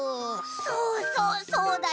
そうそうそうだよね！